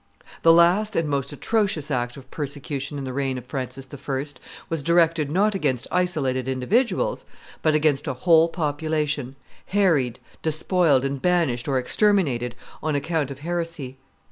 The last and most atrocious act of persecution in the reign of Francis I. was directed not against isolated individuals, but against a whole population, harried, despoiled, and banished or exterminated on account of heresy.